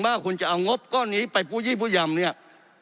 ว่าคุณจะเอางบก็หนีไปปูยี่ปูยำเนี่ย